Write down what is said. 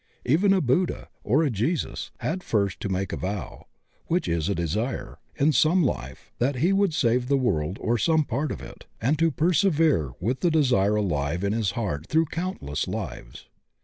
Even a Buddha or a Jesus had first to make a vow, which is a desire, in some life, that he would save the world or some part of it, and to persevere with the desire alive in his heart through countless lives.